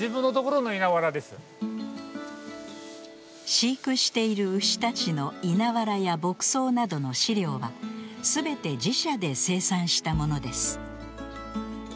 飼育している牛たちの稲わらや牧草などの飼料は全て自社で生産したものです。